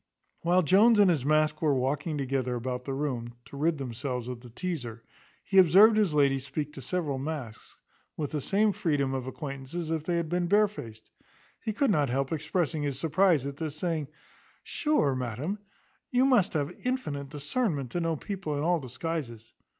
While Jones and his mask were walking together about the room, to rid themselves of the teazer, he observed his lady speak to several masks, with the same freedom of acquaintance as if they had been barefaced. He could not help expressing his surprize at this; saying, "Sure, madam, you must have infinite discernment, to know people in all disguises."